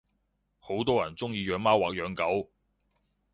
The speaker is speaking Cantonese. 好多人鐘意養貓或養狗